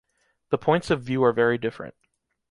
The points of view are very different.